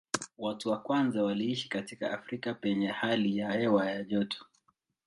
Watu wa kwanza waliishi katika Afrika penye hali ya hewa ya joto.